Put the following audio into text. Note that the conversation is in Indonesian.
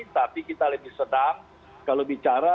tapi kita lebih sedang kalau bicara